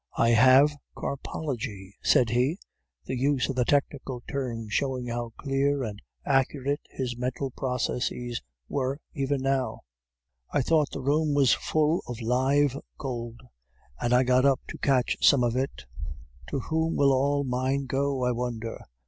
I have carpology,' said he (the use of the technical term showing how clear and accurate his mental processes were even now). 'I thought the room was full of live gold, and I got up to catch some of it. To whom will all mine go, I wonder?